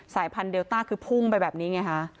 สายพันธุเดลต้าคือพุ่งไปแบบนี้ไงฮะ